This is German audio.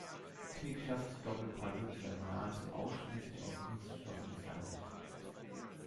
Knickschaft-Doppelpaddel werden nahezu ausschließlich aus Kunststoffen gefertigt.